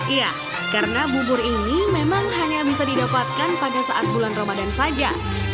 iya karena bubur ini memang hanya bisa didapatkan pada saat bulan ramadan saja